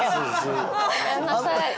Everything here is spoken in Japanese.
ごめんなさい。